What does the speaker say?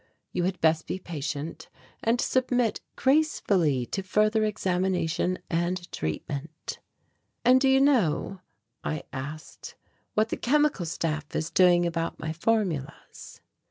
You had best be patient, and submit gracefully to further examination and treatment." "And do you know," I asked, "what the chemical staff is doing about my formulas?"